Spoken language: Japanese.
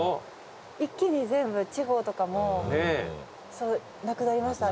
一気に全部地方とかもなくなりました